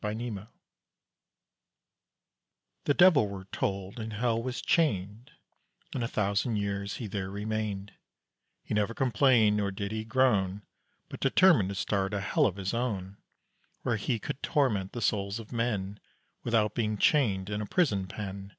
HELL IN TEXAS The devil, we're told, in hell was chained, And a thousand years he there remained; He never complained nor did he groan, But determined to start a hell of his own, Where he could torment the souls of men Without being chained in a prison pen.